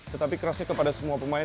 tetapi kerasnya kepada semua pemain